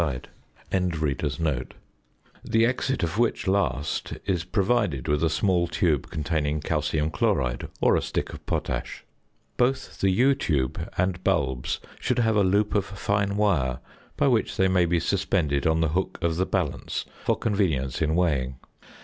71) (containing a strong solution of potash), the exit of which last is provided with a small tube containing calcium chloride or a stick of potash. Both the ~U~ tube and bulbs should have a loop of fine wire, by which they may be suspended on the hook of the balance for convenience in weighing.